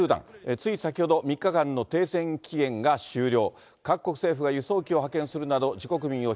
つい先ほど、３日間の停戦期限が終了。